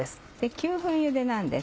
９分ゆでなんです。